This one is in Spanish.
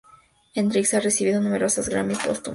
Hendrix ha recibido numerosos Grammy póstumos.